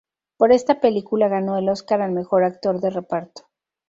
Por esta película ganó el Óscar al mejor actor de reparto.